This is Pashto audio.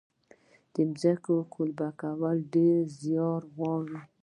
د ځمکې قلبه کول ډیر زیار غواړي.